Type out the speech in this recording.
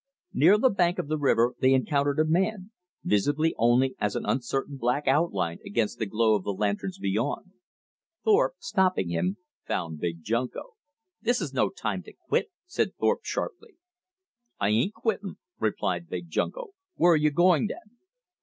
Near the bank of the river they encountered a man, visible only as an uncertain black outline against the glow of the lanterns beyond. Thorpe, stopping him, found Big Junko. "This is no time to quit," said Thorpe, sharply. "I ain't quittin'," replied Big Junko. "Where are you going, then?"